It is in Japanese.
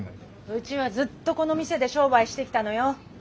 うちはずっとこの店で商売してきたのよ。